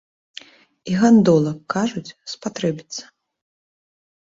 І гандола, кажуць, спатрэбіцца.